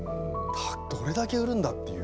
どれだけ売るんだっていう。